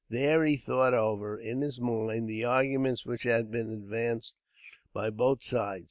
There he thought over, in his mind, the arguments which had been advanced by both sides.